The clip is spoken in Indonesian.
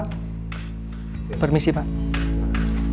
kok tumben catherine jam segini belum datang ya